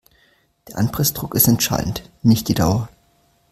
Der Anpressdruck ist entscheidend, nicht die Dauer.